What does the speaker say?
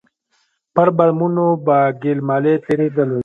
پر بامونو به ګيل مالې تېرېدلې.